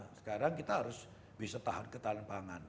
nah sekarang kita harus bisa tahan ketahanan pangan